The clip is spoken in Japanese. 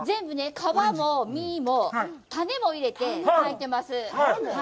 皮も実も種も入れて入ってます。